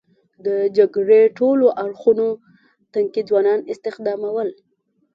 د جګړې ټولو اړخونو تنکي ځوانان استخدامول.